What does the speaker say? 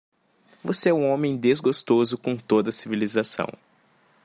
Você é um homem desgostoso com toda a civilização.